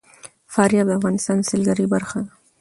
فاریاب د افغانستان د سیلګرۍ برخه ده.